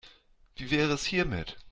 Wie wäre es hiermit?